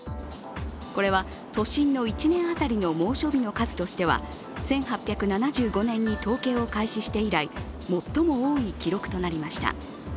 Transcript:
これは都心の１年当たりの猛暑日の数としては１８７５年に統計を開始して以来、最も多い記録となりました。